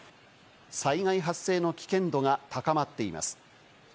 災害発生の危険度が高まっています。